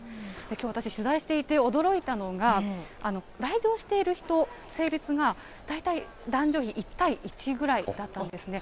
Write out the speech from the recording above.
きょう、私取材していて驚いたのが、来場している人、性別が大体男女比１対１ぐらいだったんですね。